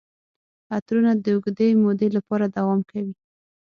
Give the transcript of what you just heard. عطرونه د اوږدې مودې لپاره دوام کوي.